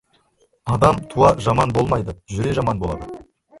Адам туа жаман болмайды, жүре жаман болады.